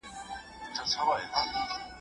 شیخانو د حق نوم ته دي دامونه غوړولي